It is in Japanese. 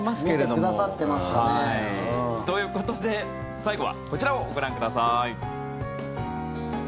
見てくださってますかね。ということで最後はこちらをご覧ください。